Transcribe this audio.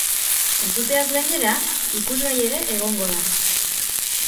Entzuteaz gainera, ikusgai ere egongo da.